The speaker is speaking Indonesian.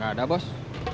gak ada bos